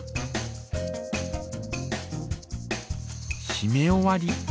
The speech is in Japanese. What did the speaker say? しめ終わり。